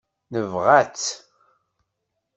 Nebɣa-tt.